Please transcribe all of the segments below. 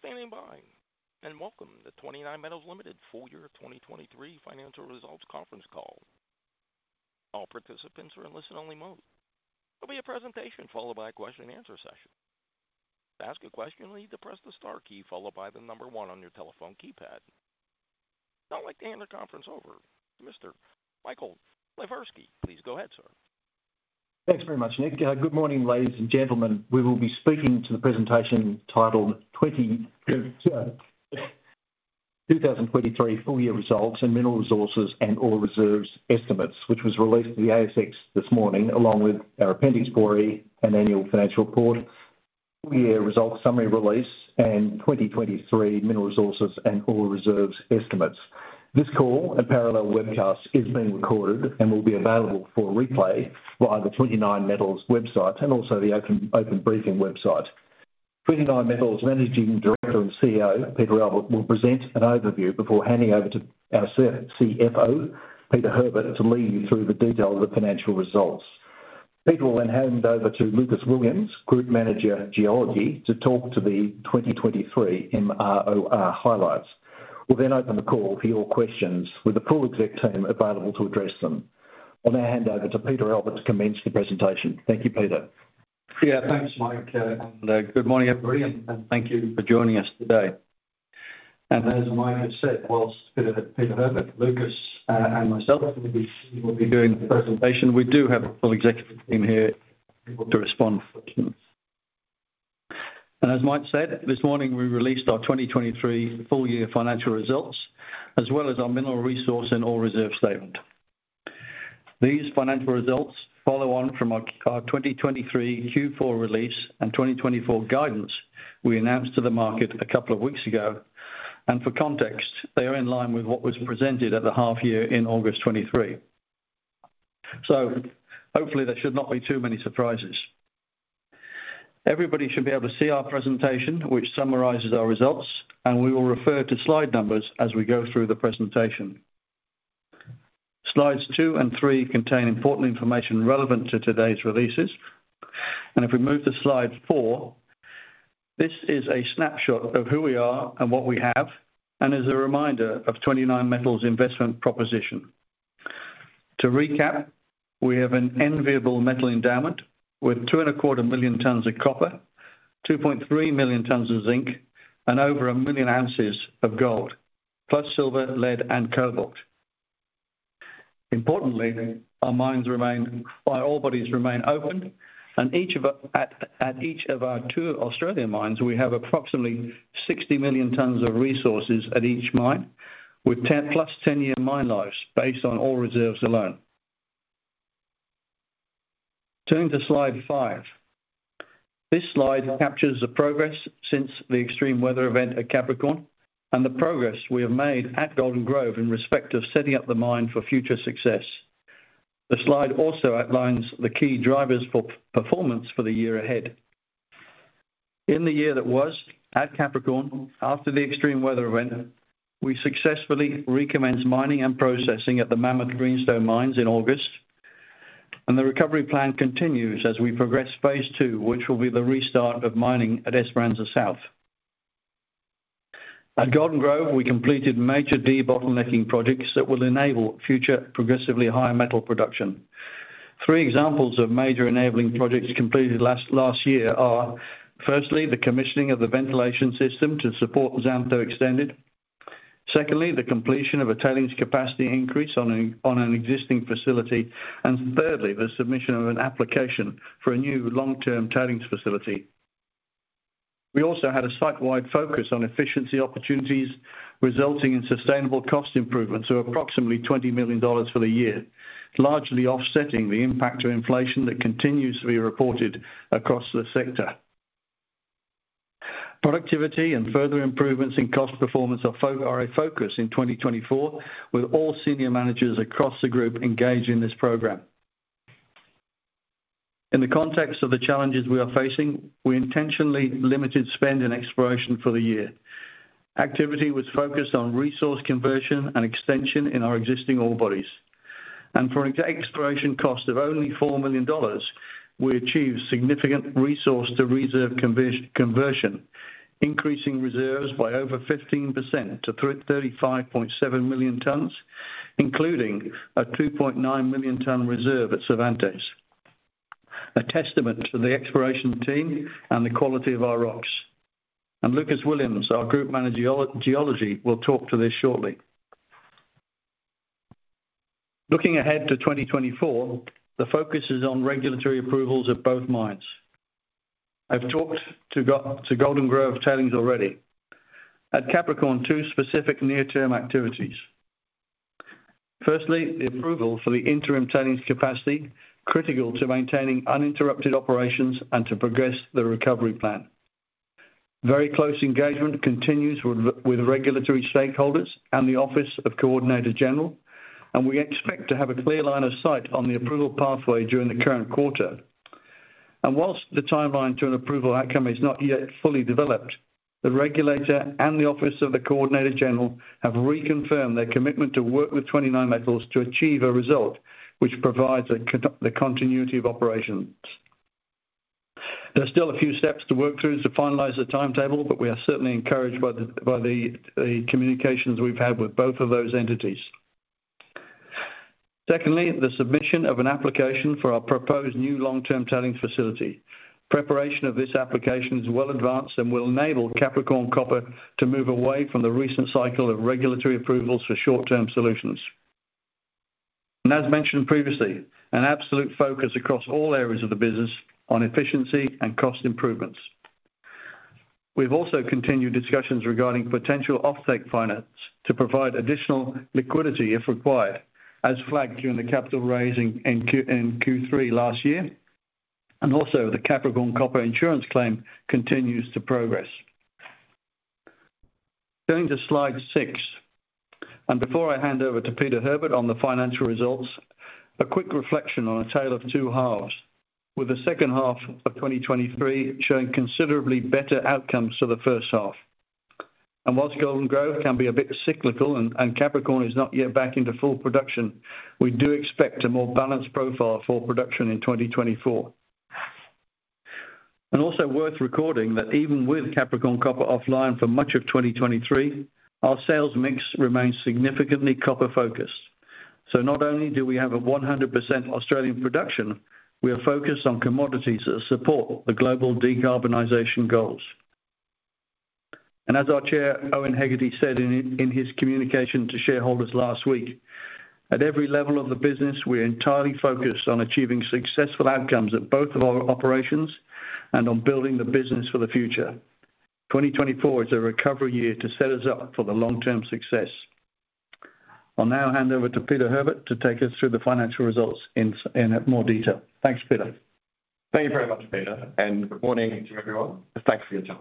Thank you for standing by, and welcome to 29Metals Limited full year 2023 financial results conference call. All participants are in listen-only mode. There'll be a presentation followed by a question-and-answer session. To ask a question, you'll need to press the star key followed by the number one on your telephone keypad. I'd now like to hand the conference over to Mr. Michael Slifirski. Please go ahead, sir. Thanks very much, Nick. Good morning, ladies and gentlemen. We will be speaking to the presentation titled 2023 Full Year Results and Mineral Resources and Ore Reserves Estimates, which was released to the ASX this morning, along with our Appendix 4E and Annual Financial Report, full year results, summary release, and 2023 Mineral Resources and Ore Reserves Estimates. This call and parallel webcast is being recorded and will be available for replay via the 29Metals website and also the Open Briefing website. 29Metals Managing Director and CEO, Peter Albert, will present an overview before handing over to our CFO, Peter Herbert, to lead you through the details of the financial results. Peter will then hand over to Lucas Williams, Group Manager, Geology, to talk to the 2023 MROR highlights. We'll then open the call for your questions with the full exec team available to address them. I'll now hand over to Peter Albert to commence the presentation. Thank you, Peter. Yeah, thanks, Mike. Good morning, everybody, and thank you for joining us today. As Mike has said, whilst Peter, Peter Herbert, Lucas, and myself will be doing the presentation, we do have a full executive team here to respond to questions. As Mike said, this morning, we released our 2023 full-year financial results, as well as our Mineral Resources and Ore Reserves statement. These financial results follow on from our 2023 Q4 release and 2024 guidance we announced to the market a couple of weeks ago, and for context, they are in line with what was presented at the half year in August 2023. So hopefully, there should not be too many surprises. Everybody should be able to see our presentation, which summarizes our results, and we will refer to slide numbers as we go through the presentation. Slides two and three contain important information relevant to today's releases. If we move to slide four, this is a snapshot of who we are and what we have, and is a reminder of 29Metals' investment proposition. To recap, we have an enviable metal endowment with 2.25 million tonnes of copper, 2.3 million tonnes of zinc, and over 1 million oz of gold, plus silver, lead, and cobalt. Importantly, our ore bodies remain open, and each of our two Australian mines, we have approximately 60 million tonnes of resources at each mine, with 10+, 10-year mine lives based on ore reserves alone. Turning to slide five. This slide captures the progress since the extreme weather event at Capricorn and the progress we have made at Golden Grove in respect of setting up the mine for future success. The slide also outlines the key drivers for performance for the year ahead. In the year that was, at Capricorn, after the extreme weather event, we successfully recommenced mining and processing at the Mammoth, Greenstone mines in August, and the recovery plan continues as we progress phase two, which will be the restart of mining at Esperanza South. At Golden Grove, we completed major debottlenecking projects that will enable future progressively higher metal production. Three examples of major enabling projects completed last year are, firstly, the commissioning of the ventilation system to support Xantho Extended. Secondly, the completion of a tailings capacity increase on an existing facility. And thirdly, the submission of an application for a new long-term tailings facility. We also had a site-wide focus on efficiency opportunities, resulting in sustainable cost improvements of approximately 20 million dollars for the year, largely offsetting the impact of inflation that continues to be reported across the sector. Productivity and further improvements in cost performance are a focus in 2024, with all senior managers across the group engaged in this program. In the context of the challenges we are facing, we intentionally limited spend and exploration for the year. Activity was focused on resource conversion and extension in our existing ore bodies. And for an exploration cost of only 4 million dollars, we achieved significant resource to reserve conversion, increasing reserves by over 15% to 35.7 million tonnes, including a 2.9 million ton reserve at Cervantes. A testament to the exploration team and the quality of our rocks. And Lucas Williams, our group manager, geology, will talk to this shortly. Looking ahead to 2024, the focus is on regulatory approvals at both mines. I've talked to Golden Grove tailings already. At Capricorn, two specific near-term activities: firstly, the approval for the interim tailings capacity, critical to maintaining uninterrupted operations and to progress the recovery plan. Very close engagement continues with regulatory stakeholders and the Office of the Coordinator-General, and we expect to have a clear line of sight on the approval pathway during the current quarter. And while the timeline to an approval outcome is not yet fully developed, the regulator and the Office of the Coordinator-General have reconfirmed their commitment to work with 29Metals to achieve a result which provides continuity of operations. There are still a few steps to work through to finalize the timetable, but we are certainly encouraged by the communications we've had with both of those entities. Secondly, the submission of an application for our proposed new long-term tailings facility. Preparation of this application is well advanced and will enable Capricorn Copper to move away from the recent cycle of regulatory approvals for short-term solutions. And as mentioned previously, an absolute focus across all areas of the business on efficiency and cost improvements. We've also continued discussions regarding potential offtake finance to provide additional liquidity, if required, as flagged during the capital raising in Q3 last year, and also the Capricorn Copper insurance claim continues to progress. Going to slide six, and before I hand over to Peter Herbert on the financial results, a quick reflection on a tale of two halves, with the second half of 2023 showing considerably better outcomes to the first half. While Golden Grove can be a bit cyclical and Capricorn is not yet back into full production, we do expect a more balanced profile for production in 2024. Also worth recording, that even with Capricorn Copper offline for much of 2023, our sales mix remains significantly copper-focused. So not only do we have a 100% Australian production, we are focused on commodities that support the global decarbonization goals. As our chair, Owen Hegarty, said in his communication to shareholders last week, "At every level of the business, we're entirely focused on achieving successful outcomes at both of our operations and on building the business for the future. 2024 is a recovery year to set us up for the long-term success." I'll now hand over to Peter Herbert to take us through the financial results in more detail. Thanks, Peter. Thank you very much, Peter, and good morning to everyone. Thanks for your time.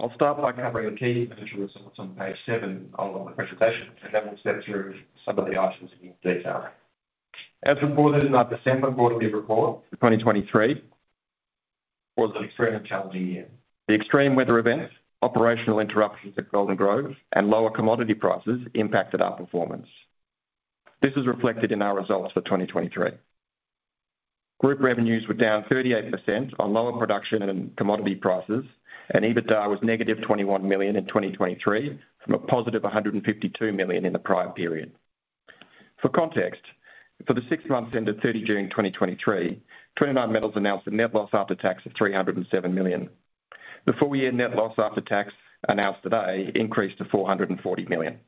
I'll start by covering the key financial results on page 7 of the presentation, and then we'll step through some of the items in detail. As reported in our December quarterly report, 2023 was an extremely challenging year. The extreme weather events, operational interruptions at Golden Grove, and lower commodity prices impacted our performance. This is reflected in our results for 2023. Group revenues were down 38% on lower production and commodity prices, and EBITDA was -21 million in 2023, from a +152 million in the prior period. For context, for the six months ended 30 June 2023, 29Metals announced a net loss after tax of 307 million. The full year net loss after tax announced today increased to 440 million.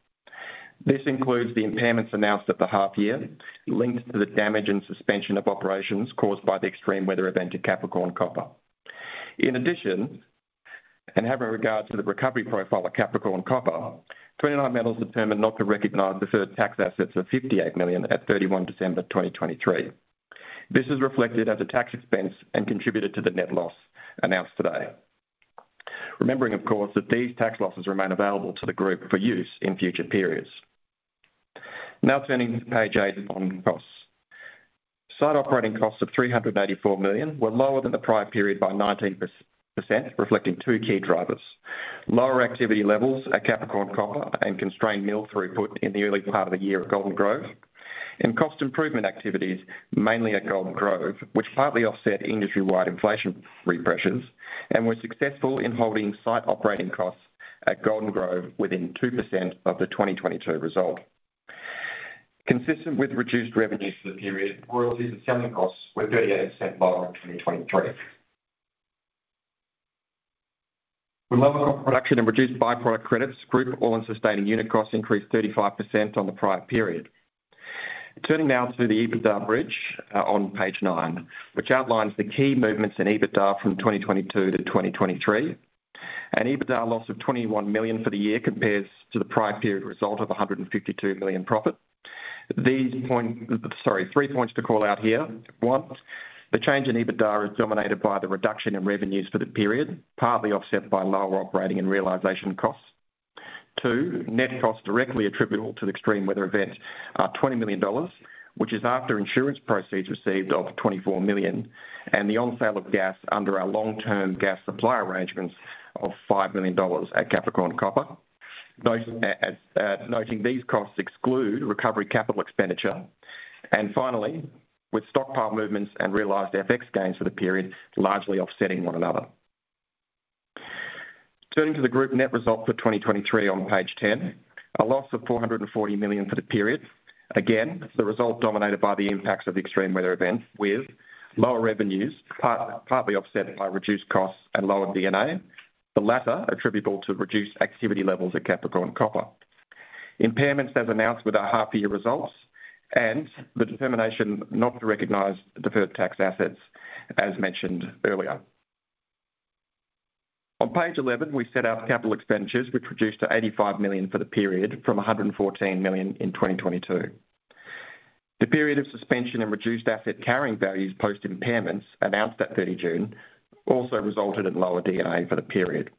This includes the impairments announced at the half year, linked to the damage and suspension of operations caused by the extreme weather event at Capricorn Copper. In addition, and having regard to the recovery profile at Capricorn Copper, 29Metals determined not to recognize deferred tax assets of 58 million at 31 December 2023. This is reflected as a tax expense and contributed to the net loss announced today. Remembering, of course, that these tax losses remain available to the group for use in future periods. Now turning to page eight on costs. Site operating costs of 384 million were lower than the prior period by 19%, reflecting two key drivers: lower activity levels at Capricorn Copper and constrained mill throughput in the early part of the year at Golden Grove, and cost improvement activities, mainly at Golden Grove, which partly offset industry-wide inflationary pressures and were successful in holding site operating costs at Golden Grove within 2% of the 2022 result. Consistent with reduced revenues for the period, royalties and selling costs were 38% lower in 2023. With lower production and reduced byproduct credits, group all-in sustaining unit costs increased 35% on the prior period. Turning now to the EBITDA bridge on page 9, which outlines the key movements in EBITDA from 2022 to 2023. An EBITDA loss of 21 million for the year compares to the prior period result of a 152 million profit. Three points to call out here. One, the change in EBITDA is dominated by the reduction in revenues for the period, partly offset by lower operating and realization costs. Two, net costs directly attributable to the extreme weather event are 20 million dollars, which is after insurance proceeds received of 24 million and the on-sale of gas under our long-term gas supply arrangements of 5 million dollars at Capricorn Copper. Those, noting these costs exclude recovery capital expenditure, and finally, with stockpile movements and realized FX gains for the period, largely offsetting one another. Turning to the group net results for 2023 on page 10, a loss of 440 million for the period. Again, the results dominated by the impacts of the extreme weather events, with lower revenues, partly offset by reduced costs and lower D&A, the latter attributable to reduced activity levels at Capricorn Copper. Impairments, as announced with our half-year results, and the determination not to recognize deferred tax assets, as mentioned earlier. On page 11, we set out capital expenditures, which reduced to 85 million for the period, from 114 million in 2022. The period of suspension and reduced asset carrying values post-impairments, announced at 30 June, also resulted in lower D&A for the period.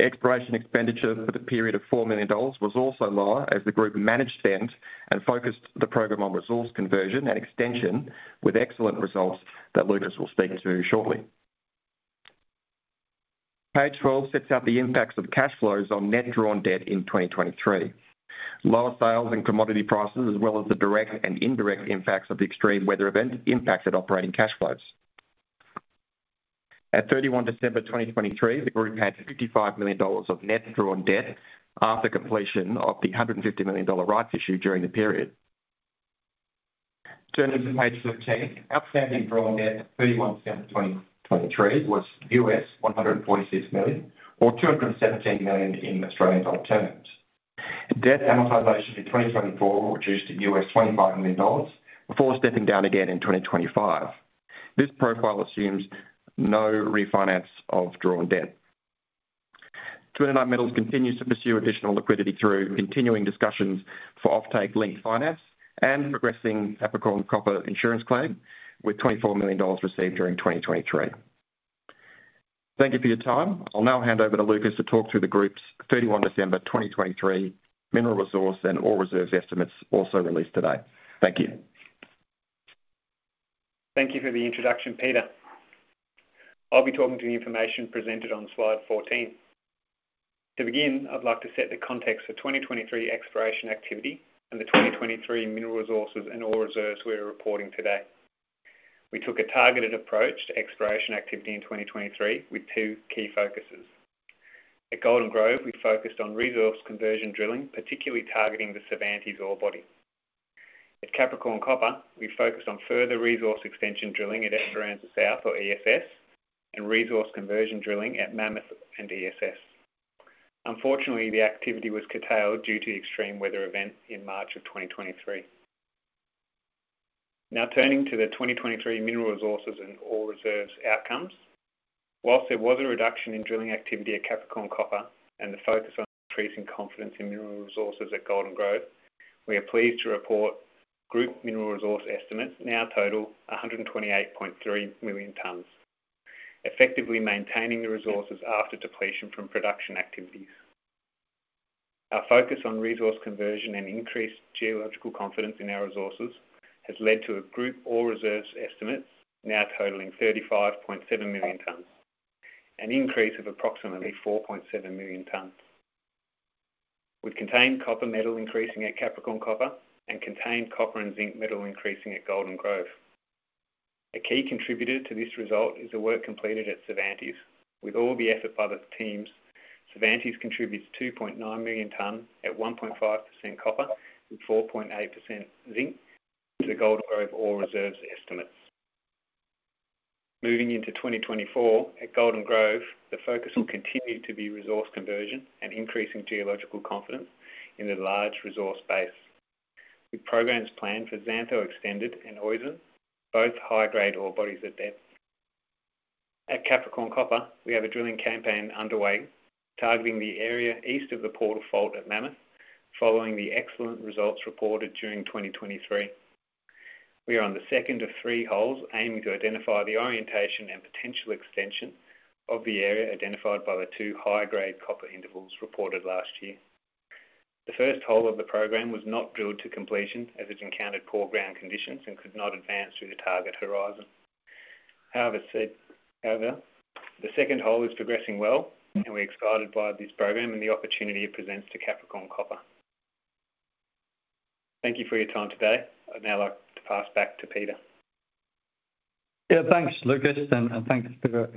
Exploration expenditure for the period of 4 million dollars was also lower as the group managed spend and focused the program on resource conversion and extension, with excellent results that Lucas will speak to shortly. Page 12 sets out the impacts of cash flows on net drawn debt in 2023. Lower sales and commodity prices, as well as the direct and indirect impacts of the extreme weather event, impacted operating cash flows. At 31 December 2023, the group had AUD 55 million of net drawn debt after completion of the AUD 150 million rights issue during the period. Turning to page 13, outstanding drawn debt at 31 December 2023 was $146 million, or 217 million in Australian dollar terms. Debt amortization in 2024 will reduce to $25 million before stepping down again in 2025. This profile assumes no refinance of drawn debt. 29Metals continues to pursue additional liquidity through continuing discussions for offtake-linked finance and progressing Capricorn Copper insurance claim, with 24 million dollars received during 2023. Thank you for your time. I'll now hand over to Lucas to talk through the group's 31 December 2023 mineral resource and ore reserve estimates, also released today. Thank you. Thank you for the introduction, Peter. I'll be talking to the information presented on slide 14. To begin, I'd like to set the context for 2023 exploration activity and the 2023 mineral resources and ore reserves we are reporting today. We took a targeted approach to exploration activity in 2023, with two key focuses. At Golden Grove, we focused on resource conversion drilling, particularly targeting the Cervantes ore body. At Capricorn Copper, we focused on further resource extension drilling at Esperanza South, or ESS, and resource conversion drilling at Mammoth and ESS. Unfortunately, the activity was curtailed due to extreme weather event in March of 2023. Now, turning to the 2023 mineral resources and ore reserves outcomes. While there was a reduction in drilling activity at Capricorn Copper and the focus on increasing confidence in mineral resources at Golden Grove, we are pleased to report group mineral resource estimates now total 128.3 million tonnes, effectively maintaining the resources after depletion from production activities. Our focus on resource conversion and increased geological confidence in our resources has led to a group ore reserves estimates now totaling 35.7 million tonnes, an increase of approximately 4.7 million tonnes, with contained copper metal increasing at Capricorn Copper and contained copper and zinc metal increasing at Golden Grove. A key contributor to this result is the work completed at Cervantes. With all the effort by the teams, Cervantes contributes 2.9 million tonnes at 1.5% copper and 4.8% zinc to the Golden Grove ore reserves estimates. Moving into 2024, at Golden Grove, the focus will continue to be resource conversion and increasing geological confidence in the large resource base, with programs planned for Xantho Extended and Oizon, both high-grade ore bodies at depth. At Capricorn Copper, we have a drilling campaign underway targeting the area east of the Porter Fault at Mammoth, following the excellent results reported during 2023. We are on the second of three holes aiming to identify the orientation and potential extension of the area identified by the two high-grade copper intervals reported last year. The first hole of the program was not drilled to completion, as it encountered poor ground conditions and could not advance through the target horizon. However, the second hole is progressing well, and we're excited by this program and the opportunity it presents to Capricorn Copper. Thank you for your time today. I'd now like to pass back to Peter. Yeah, thanks, Lucas, and thanks, Peter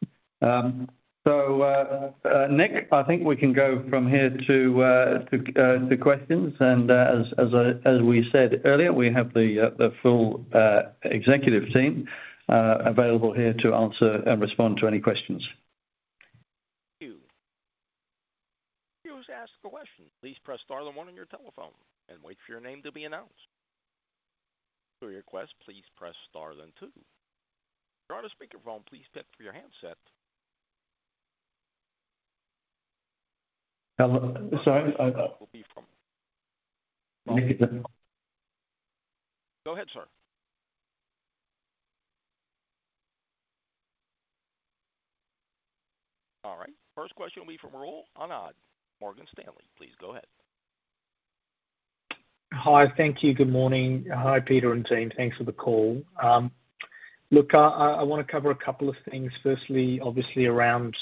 Herbert. So, Nick, I think we can go from here to questions. And, as we said earlier, we have the full executive team available here to answer and respond to any questions. Thank you. To ask a question, please press star then one on your telephone and wait for your name to be announced. For your request, please press star then two. You're on a speakerphone, please hang up for your handset. Hello. Sorry, Go ahead, sir. All right, first question will be from Rahul Anand, Morgan Stanley. Please go ahead. Hi. Thank you. Good morning. Hi, Peter and team. Thanks for the call. Look, I wanna cover a couple of things. Firstly, obviously, around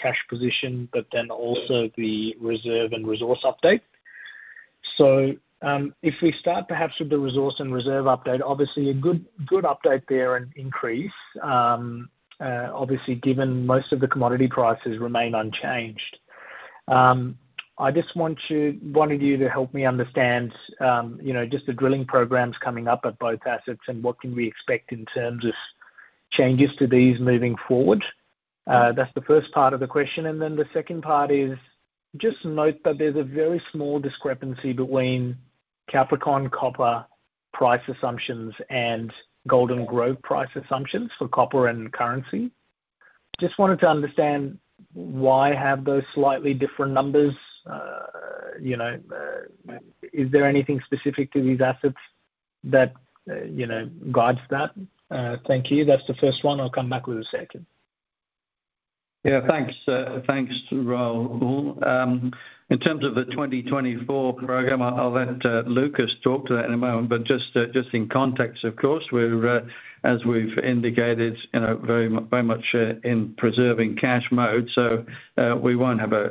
cash position, but then also the reserve and resource update. So, if we start perhaps with the resource and reserve update, obviously a good, good update there and increase, obviously, given most of the commodity prices remain unchanged. I just wanted you to help me understand, you know, just the drilling programs coming up at both assets and what can we expect in terms of changes to these moving forward? That's the first part of the question, and then the second part is, just note that there's a very small discrepancy between Capricorn Copper price assumptions and Golden Grove price assumptions for copper and currency. Just wanted to understand, why have those slightly different numbers? You know, is there anything specific to these assets that, you know, guides that? Thank you. That's the first one. I'll come back with the second. Yeah, thanks, Rahul. In terms of the 2024 program, I'll let Lucas talk to that in a moment, but just in context, of course, we're, as we've indicated, you know, very much in preserving cash mode. So, we won't have a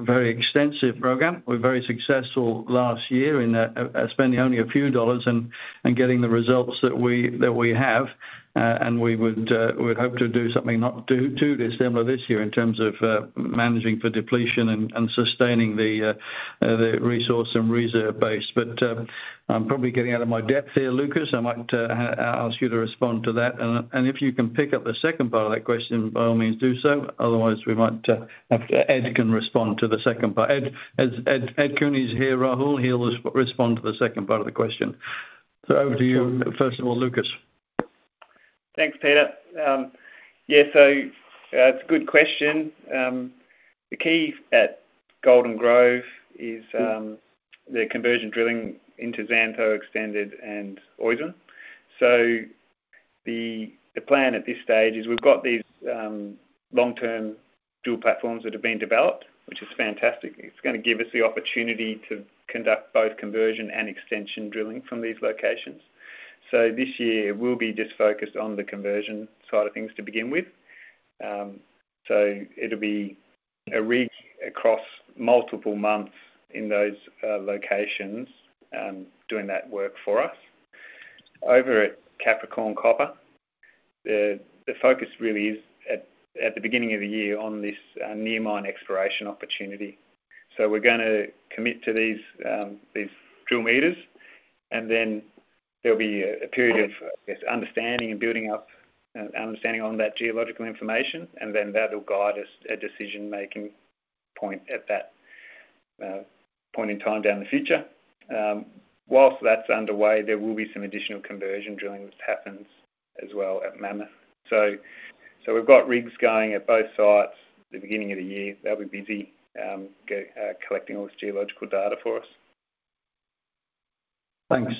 very extensive program. We're very successful last year in spending only a few dollars and getting the results that we have. And we would, we'd hope to do something not too dissimilar this year in terms of managing for depletion and sustaining the resource and reserve base. But, I'm probably getting out of my depth here, Lucas. I might ask you to respond to that. And if you can pick up the second part of that question, by all means, do so. Otherwise, we might have Ed can respond to the second part. Ed Cooney's here, Rahul. He'll respond to the second part of the question. So over to you, first of all, Lucas. Thanks, Peter. Yeah, so it's a good question. The key at Golden Grove is the conversion drilling into Xantho Extended and Oizon. So the plan at this stage is we've got these long-term dual platforms that have been developed, which is fantastic. It's gonna give us the opportunity to conduct both conversion and extension drilling from these locations. So this year we'll be just focused on the conversion side of things to begin with. So it'll be a rig across multiple months in those locations, doing that work for us. Over at Capricorn Copper, the focus really is at the beginning of the year on this near mine exploration opportunity. So we're gonna commit to these, these drill meters, and then there'll be a period of, I guess, understanding and building up understanding on that geological information, and then that will guide us, a decision-making point at that point in time down the future. Whilst that's underway, there will be some additional conversion drilling, which happens as well at Mammoth. So we've got rigs going at both sites the beginning of the year. They'll be busy, go, collecting all this geological data for us. Thanks,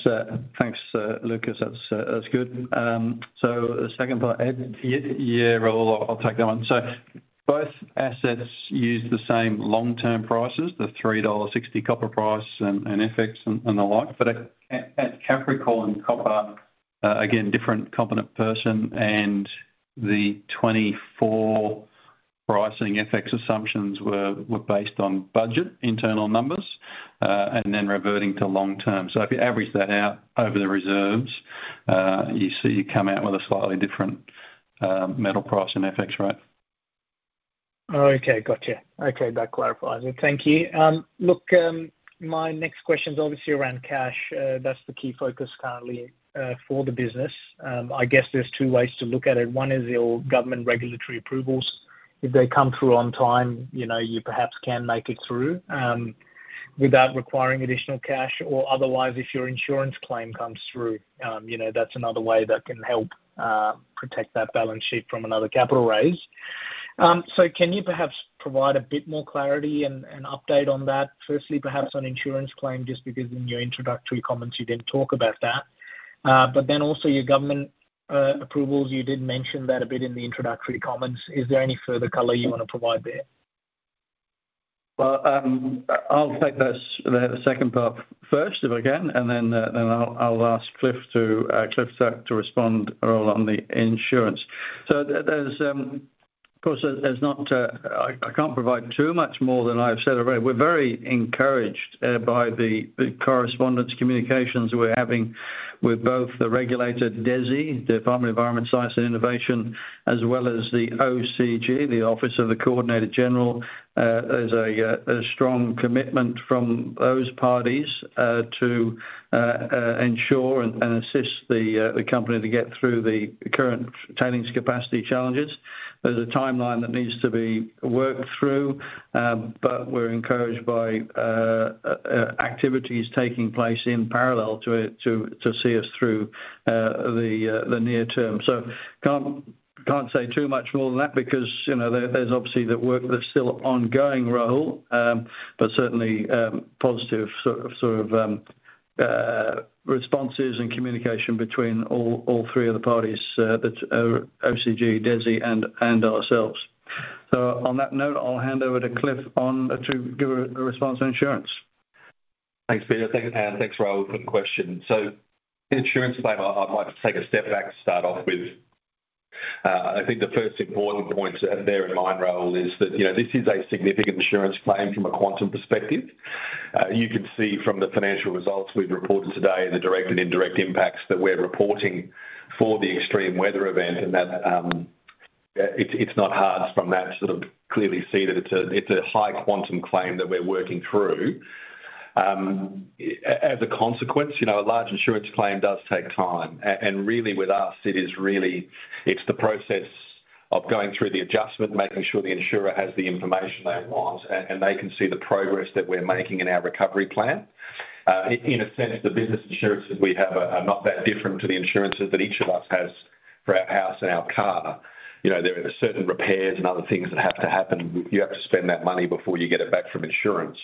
thanks, Lucas. That's, that's good. So, the second part, Ed? Yeah, yeah, Rahul, I'll take that one. So both assets use the same long-term prices, the $3.60 copper price and FX and the like. But at Capricorn Copper, again, different competent person, and the 2024 pricing FX assumptions were based on budget, internal numbers, and then reverting to long term. So if you average that out over the reserves, you see you come out with a slightly different metal price and FX rate. Okay, gotcha. Okay, that clarifies it. Thank you. Look, my next question is obviously around cash. That's the key focus currently for the business. I guess there's two ways to look at it. One is your government regulatory approvals. If they come through on time, you know, you perhaps can make it through without requiring additional cash, or otherwise, if your insurance claim comes through, you know, that's another way that can help protect that balance sheet from another capital raise. So can you perhaps provide a bit more clarity and update on that? Firstly, perhaps on insurance claim, just because in your introductory comments, you didn't talk about that. But then also your government approvals, you did mention that a bit in the introductory comments. Is there any further color you want to provide there? Well, I'll take the second part first, if I can, and then I'll ask Cliff to respond, Rahul, on the insurance. So, of course, there's not, I can't provide too much more than I've said already. We're very encouraged by the correspondence communications we're having with both the regulator, DESI, Department of Environment, Science and Innovation, as well as the OCG, the Office of the Coordinator-General. There's a strong commitment from those parties to ensure and assist the company to get through the current tailings capacity challenges. There's a timeline that needs to be worked through, but we're encouraged by activities taking place in parallel to it, to see us through the near term. So can't say too much more than that because, you know, there's obviously the work that's still ongoing, Rahul, but certainly positive sort of responses and communication between all three of the parties, that OCG, DESI, and ourselves. So on that note, I'll hand over to Cliff on to give a response to insurance. Thanks, Peter. Thanks, and thanks, Rahul, for the question. So insurance claim, I might take a step back to start off with. I think the first important point to bear in mind, Rahul, is that, you know, this is a significant insurance claim from a quantum perspective. You can see from the financial results we've reported today, the direct and indirect impacts that we're reporting for the extreme weather event, and that it's not hard from that to sort of clearly see that it's a high quantum claim that we're working through. As a consequence, you know, a large insurance claim does take time, and really with us, it is really, it's the process of going through the adjustment, making sure the insurer has the information they want, and, and they can see the progress that we're making in our recovery plan. In a sense, the business insurances we have are, are not that different to the insurances that each of us has for our house and our car. You know, there are certain repairs and other things that have to happen. You have to spend that money before you get it back from insurance.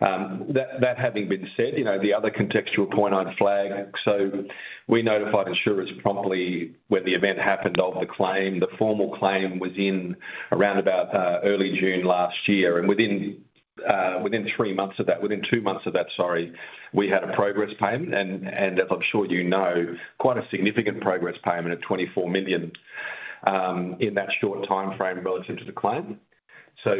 That, that having been said, you know, the other contextual point I'd flag, so we notified insurers promptly when the event happened of the claim. The formal claim was in around about early June last year, and within three months of that, within two months of that, sorry, we had a progress payment. And as I'm sure you know, quite a significant progress payment of 24 million in that short timeframe relative to the claim. So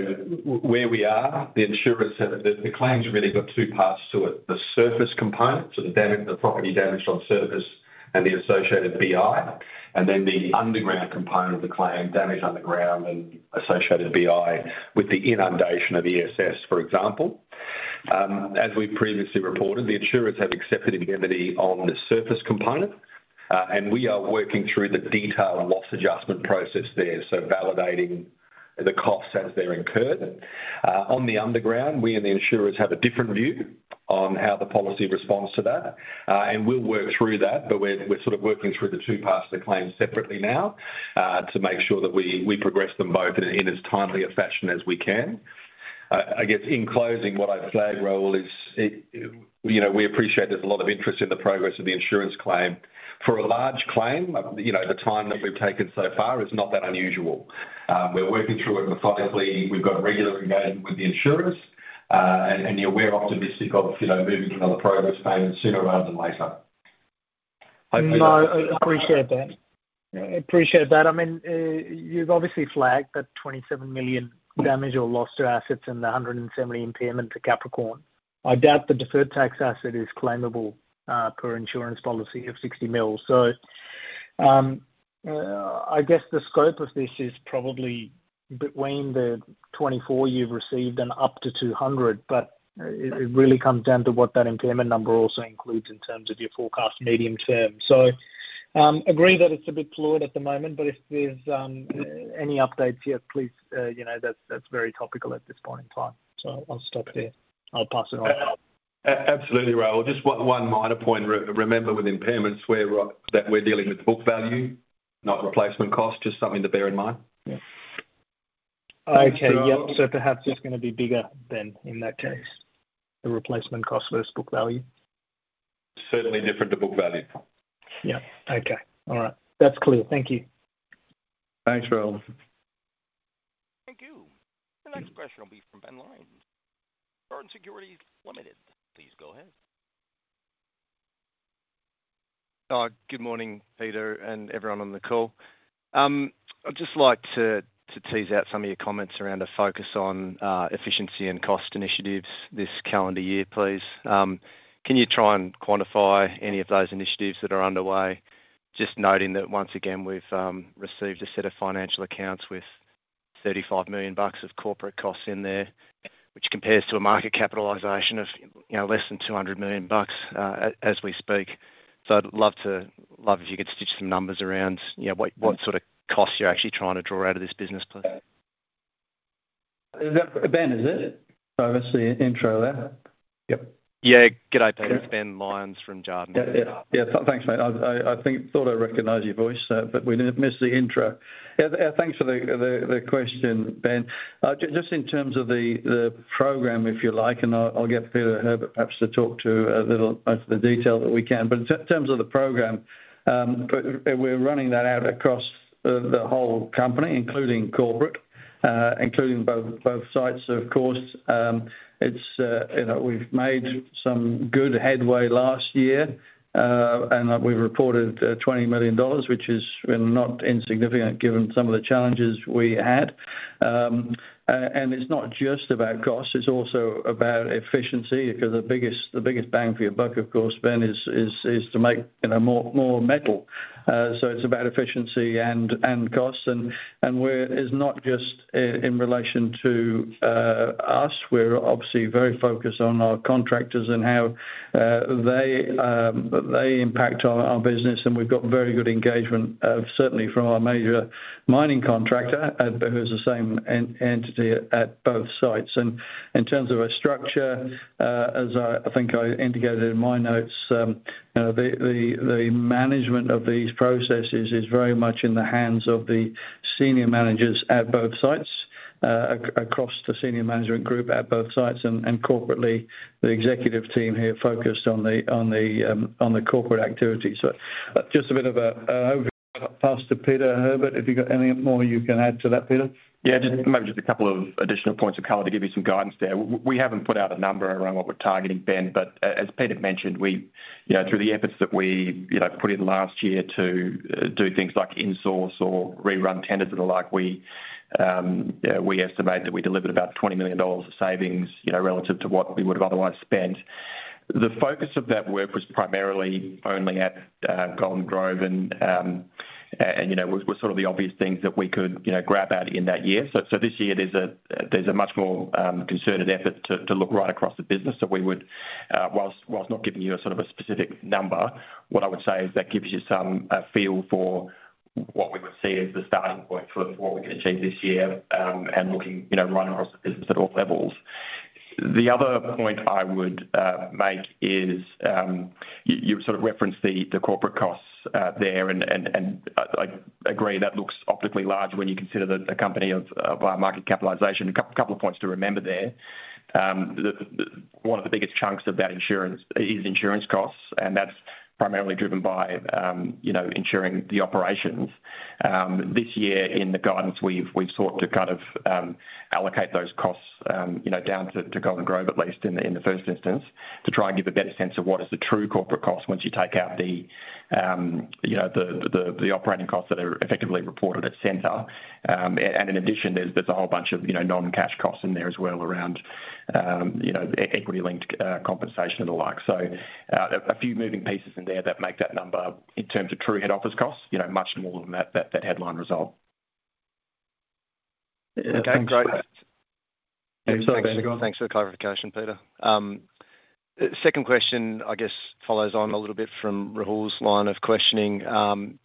where we are, the insurers have the claim's really got two parts to it: the surface component, so the damage, the property damage on surface and the associated BI, and then the underground component of the claim, damage underground and associated BI with the inundation of the ESS, for example. As we've previously reported, the insurers have accepted in the entity on the surface component, and we are working through the detailed loss adjustment process there, so validating the costs as they're incurred. On the underground, we and the insurers have a different view on how the policy responds to that, and we'll work through that, but we're sort of working through the two parts of the claim separately now, to make sure that we progress them both in as timely a fashion as we can. I guess, in closing, what I'd flag, Rahul, is, you know, we appreciate there's a lot of interest in the progress of the insurance claim. For a large claim, you know, the time that we've taken so far is not that unusual. We're working through it methodically. We've got a regular engagement with the insurers, and we're optimistic of, you know, moving another progress payment sooner rather than later. No, appreciate that. Appreciate that. I mean, you've obviously flagged that 27 million damage or loss to assets and the $170 million impairment to Capricorn. I doubt the deferred tax asset is claimable, per insurance policy of 60 million. So, I guess the scope of this is probably between the $24 million you've received and up to $200 million, but it, it really comes down to what that impairment number also includes in terms of your forecast medium term. So, agree that it's a bit fluid at the moment, but if there's any updates here, please, you know, that's, that's very topical at this point in time. So I'll stop it there. I'll pass it on. Absolutely, Rahul. Just one minor point. Remember, with impairments, that we're dealing with book value, not replacement cost. Just something to bear in mind. Yeah. Okay, yep. Thanks, Rahul. Perhaps it's gonna be bigger than, in that case, the replacement cost versus book value? Certainly different to book value. Yeah. Okay. All right. That's clear. Thank you. Thanks, Rahul. Thank you. The next question will be from Ben Lyons, Jarden Securities Limited. Please go ahead. Good morning, Peter, and everyone on the call. I'd just like to tease out some of your comments around the focus on efficiency and cost initiatives this calendar year, please. Can you try and quantify any of those initiatives that are underway? Just noting that once again, we've received a set of financial accounts with 35 million bucks of corporate costs in there, which compares to a market capitalization of, you know, less than 200 million bucks, as we speak. So I'd love if you could stitch some numbers around, you know, what sort of costs you're actually trying to draw out of this business, please. Is that Ben, is it? I missed the intro there. Yep. Yeah. Good day, Peter. It's Ben Lyons from Jarden. Yeah. Yeah. Thanks, mate. I think I thought I recognized your voice, but we missed the intro. Yeah, thanks for the question, Ben. Just in terms of the program, if you like, and I'll get Peter Herbert perhaps to talk to a little of the detail that we can. But in terms of the program, but we're running that out across the whole company, including corporate, including both sites, of course. It's, you know, we've made some good headway last year, and we've reported 20 million dollars, which is, well, not insignificant given some of the challenges we had. And it's not just about cost, it's also about efficiency, because the biggest bang for your buck, of course, Ben, is to make, you know, more metal. So it's about efficiency and costs, and where it's not just in relation to us, we're obviously very focused on our contractors and how they impact on our business, and we've got very good engagement, certainly from our major mining contractor, who is the same entity at both sites. And in terms of a structure, as I think I indicated in my notes, the management of these processes is very much in the hands of the senior managers at both sites, across the senior management group at both sites and corporately, the executive team here focused on the corporate activities. So just a bit of an overview. Pass to Peter Herbert, if you've got any more you can add to that, Peter. Yeah, just maybe just a couple of additional points of color to give you some guidance there. We haven't put out a number around what we're targeting, Ben, but as Peter mentioned, we, you know, through the efforts that we, you know, put in last year to do things like insource or rerun tenders and the like, we estimate that we delivered about 20 million dollars of savings, you know, relative to what we would have otherwise spent. The focus of that work was primarily only at Golden Grove and, you know, was sort of the obvious things that we could, you know, grab at in that year. So this year there's a much more concerted effort to look right across the business. So we would, whilst not giving you a sort of a specific number, what I would say is that gives you some feel for what we would see as the starting point for what we can achieve this year, and looking, you know, right across the business at all levels. The other point I would make is, you sort of referenced the corporate costs there, and I agree that looks optically large when you consider the company of our market capitalization. A couple of points to remember there. One of the biggest chunks of that is insurance costs, and that's primarily driven by, you know, insuring the operations. This year, in the guidance, we've sought to kind of allocate those costs, you know, down to Golden Grove, at least in the first instance, to try and give a better sense of what is the true corporate cost once you take out the, you know, the operating costs that are effectively reported at center. And in addition, there's a whole bunch of, you know, non-cash costs in there as well around, you know, equity linked compensation and the like. So, a few moving pieces in there that make that number in terms of true head office costs, you know, much more than that headline result. Okay, great. Yeah, sorry, Ben, go on. Thanks for the clarification, Peter. Second question, I guess, follows on a little bit from Rahul's line of questioning,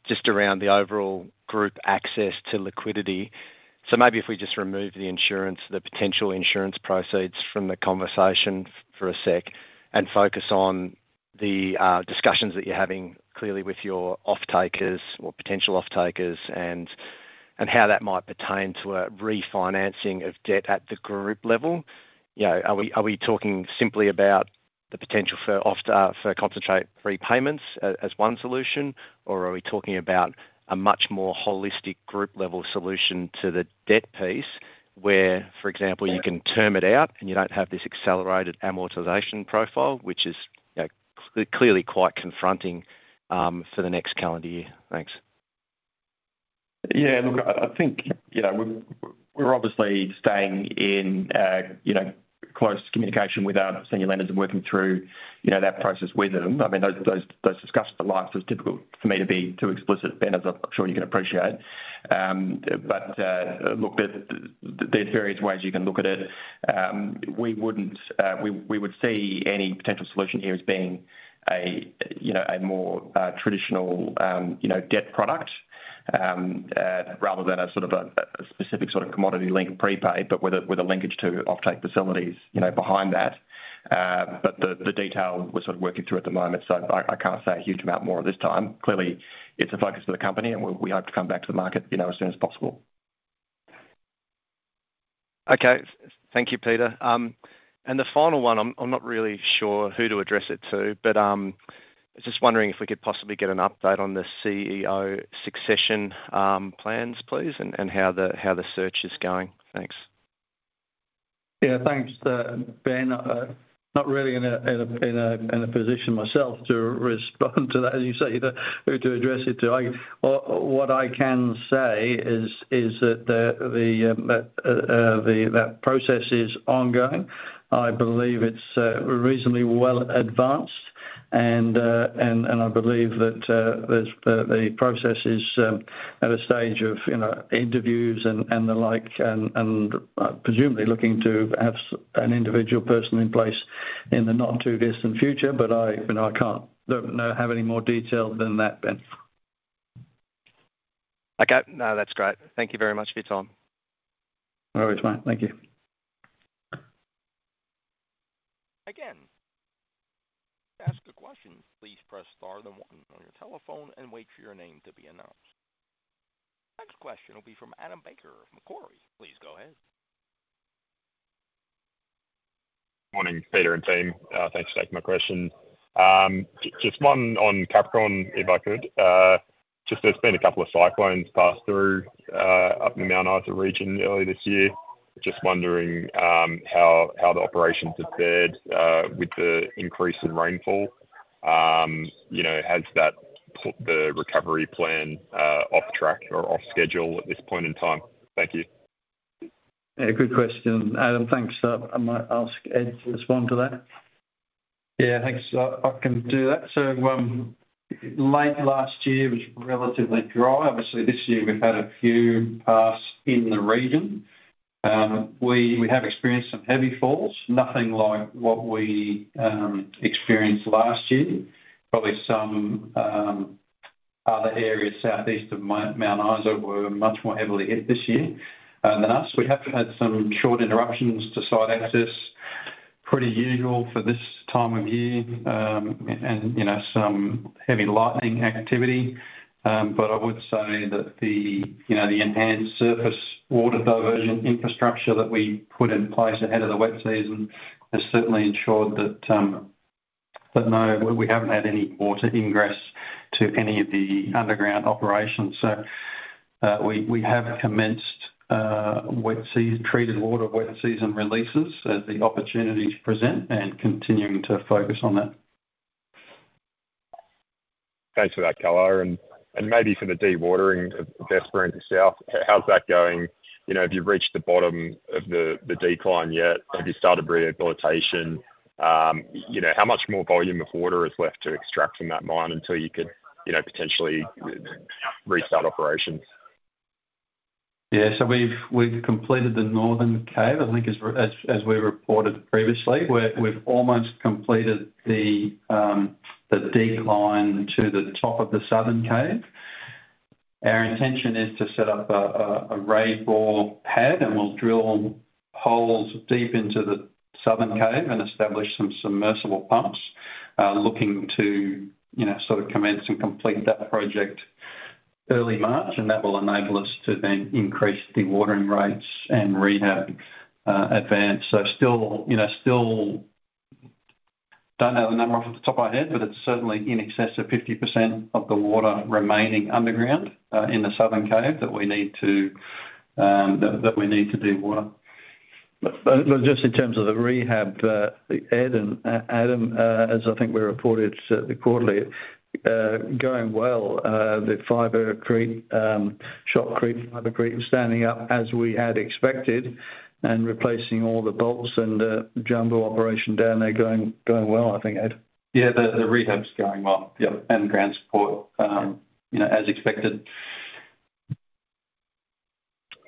just around the overall group access to liquidity. So maybe if we just remove the insurance, the potential insurance proceeds from the conversation for a sec, and focus on the discussions that you're having, clearly with your offtakers or potential offtakers, and how that might pertain to a refinancing of debt at the group level. You know, are we talking simply about the potential for offtake prepayments as one solution? Or are we talking about a much more holistic group-level solution to the debt piece, where, for example, you can term it out, and you don't have this accelerated amortization profile, which is, you know, clearly quite confronting for the next calendar year? Thanks. Yeah, look, I think, you know, we're obviously staying in, you know, close communication with our senior lenders and working through, you know, that process with them. I mean, those discussions are, like, so it's difficult for me to be too explicit, Ben, as I'm sure you can appreciate. But, look, there's various ways you can look at it. We wouldn't. We would see any potential solution here as being a, you know, a more traditional, you know, debt product, rather than a sort of a specific sort of commodity link prepaid, but with a linkage to offtake facilities, you know, behind that. But the detail we're sort of working through at the moment, so I can't say a huge amount more at this time. Clearly, it's a focus of the company, and we, we hope to come back to the market, you know, as soon as possible. Okay. Thank you, Peter. And the final one, I'm not really sure who to address it to, but I was just wondering if we could possibly get an update on the CEO succession plans, please, and how the search is going. Thanks. Yeah, thanks, Ben. Not really in a position myself to respond to that, as you say, to who to address it to. What I can say is that the process is ongoing. I believe it's reasonably well advanced, and I believe that the process is at a stage of, you know, interviews and the like, and presumably looking to have an individual person in place in the not-too-distant future, but, you know, I can't, don't know, have any more detail than that, Ben. Okay. No, that's great. Thank you very much for your time. No worries, mate. Thank you. Again, to ask a question, please press star, then one on your telephone and wait for your name to be announced. Next question will be from Adam Baker of Macquarie. Please go ahead. Morning, Peter and team. Thanks for taking my question. Just one on Capricorn, if I could. Just there's been a couple of cyclones pass through up in the Mount Isa region earlier this year. Just wondering, how the operations have fared with the increase in rainfall. You know, has that put the recovery plan off track or off schedule at this point in time? Thank you. Yeah, good question, Adam. Thanks. I might ask Ed to respond to that. Yeah, thanks. I can do that. So, late last year was relatively dry. Obviously, this year, we've had a few passes in the region. We have experienced some heavy falls, nothing like what we experienced last year. Probably some other areas southeast of Mount Isa were much more heavily hit this year, than us. We have had some short interruptions to site access, pretty usual for this time of year, and, you know, some heavy lightning activity. But I would say that the, you know, the enhanced surface water diversion infrastructure that we put in place ahead of the wet season has certainly ensured that, no, we haven't had any water ingress to any of the underground operations. So, we have commenced wet season. Treated water wet season releases as the opportunities present and continuing to focus on that. Thanks for that color, and maybe for the dewatering of Esperanza South, how's that going? You know, have you reached the bottom of the, the decline yet? Have you started rehabilitation? You know, how much more volume of water is left to extract from that mine until you could, you know, potentially restart operations? Yeah, so we've completed the northern cave, I think, as we reported previously. We've almost completed the decline to the top of the southern cave. Our intention is to set up a raise bore pad, and we'll drill holes deep into the southern cave and establish some submersible pumps. Looking to, you know, sort of commence and complete that project early March, and that will enable us to then increase dewatering rates and rehab advance. So still, you know, still don't have the number off the top of my head, but it's certainly in excess of 50% of the water remaining underground in the southern cave that we need to dewater. But just in terms of the rehab, Ed and Adam, as I think we reported the quarterly, going well, the fibrecrete, shotcrete, fibrecrete is standing up as we had expected and replacing all the bolts and jumbo operation down there going well, I think, Ed? Yeah, the rehab's going well. Yep, and ground support, you know, as expected.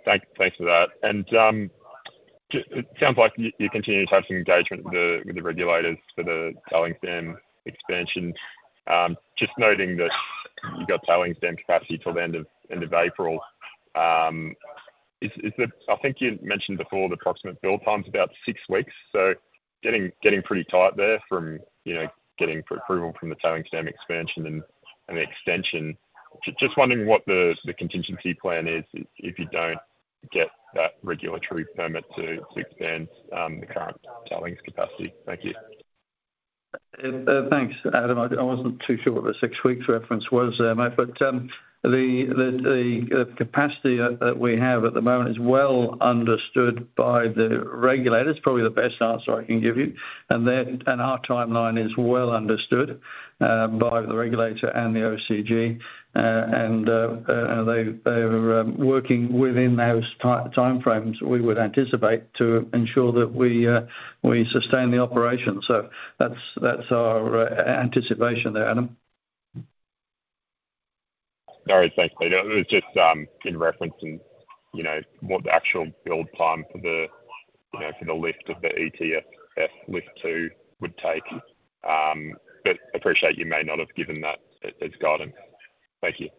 Thanks for that. And it sounds like you continue to have some engagement with the regulators for the tailings dam expansion. Just noting that you've got tailings dam capacity till the end of April. Is the, I think you mentioned before, the approximate build time's about six weeks, so getting pretty tight there from, you know, getting approval from the tailings dam expansion and the extension. Just wondering what the contingency plan is if you don't get that regulatory permit to extend the current tailings capacity. Thank you. Thanks, Adam. I wasn't too sure what the six weeks reference was there, mate, but the capacity that we have at the moment is well understood by the regulators. Probably the best answer I can give you. And their and our timeline is well understood by the regulator and the OCG. And they're working within those timeframes we would anticipate to ensure that we sustain the operation. So that's our anticipation there, Adam. All right, thanks, Peter. It was just in reference in, you know, what the actual build time for the, you know, for the lift of the ETSF lift two would take. But appreciate you may not have given that as, as guidance. Thank you.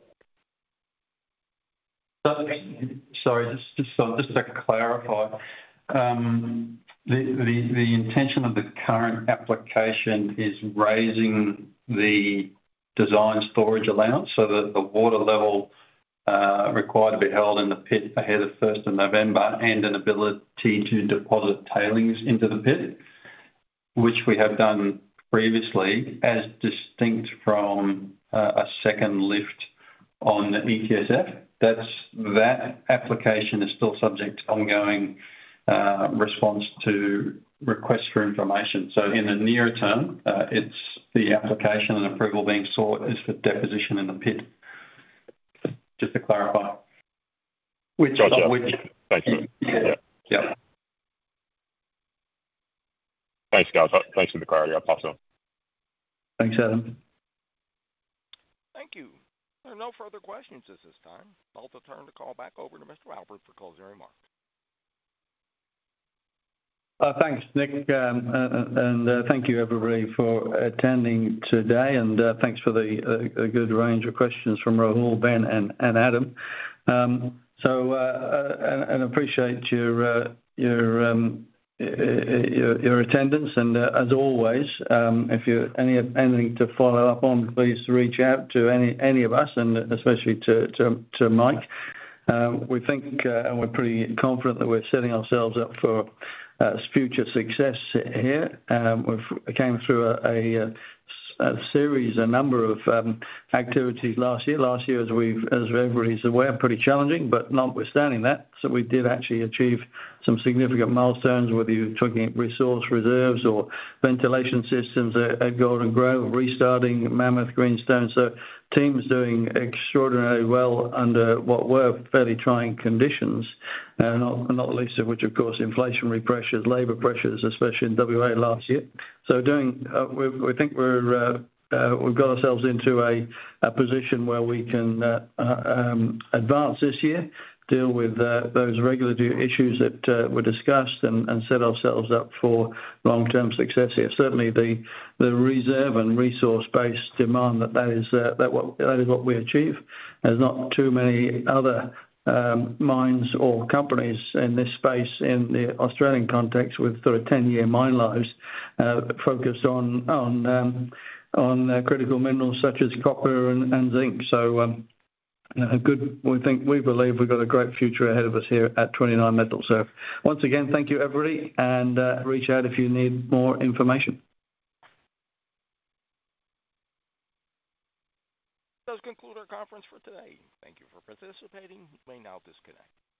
Sorry, just to clarify. The intention of the current application is raising the design storage allowance so that the water level required to be held in the pit ahead of first of November, and an ability to deposit tailings into the pit, which we have done previously, as distinct from a second lift on the ETSF. That application is still subject to ongoing response to requests for information. So in the near term, it's the application and approval being sought is for deposition in the pit. Just to clarify. Which. Gotcha. Thanks. Yeah. Thanks, guys. Thanks for the clarity. I pass on. Thanks, Adam. Thank you. There are no further questions at this time. I'll turn the call back over to Mr. Albert for closing remarks. Thanks, Nick, and thank you everybody for attending today, and thanks for a good range of questions from Rahul, Ben, and Adam. So, appreciate your attendance. And, as always, if you've anything to follow up on, please reach out to any of us, and especially to Mike. We think, and we're pretty confident that we're setting ourselves up for future success here. We've came through a series, a number of activities last year. Last year, as everybody's aware, pretty challenging, but notwithstanding that, so we did actually achieve some significant milestones, whether you're talking resource reserves or ventilation systems at Golden Grove, restarting Mammoth Greenstone. So team's doing extraordinarily well under what were fairly trying conditions, not least of which, of course, inflationary pressures, labor pressures, especially in WA last year. So, we think we've got ourselves into a position where we can advance this year, deal with those regulatory issues that were discussed and set ourselves up for long-term success here. Certainly, the reserve and resource base demand that is what we achieve. There's not too many other mines or companies in this space in the Australian context, with sort of 10-year mine lives, focused on critical minerals such as copper and zinc. So, a good. We think we believe we've got a great future ahead of us here at 29Metals. So once again, thank you, everybody, and reach out if you need more information. This concludes our conference for today. Thank you for participating. You may now disconnect.